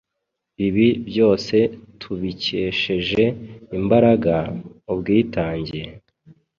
Ibi byose tubikesheje imbaraga, ubwitange,